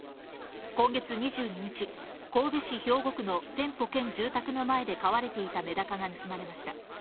今月２２日、神戸市兵庫区の店舗兼住宅の前で飼われていたメダカが盗まれました。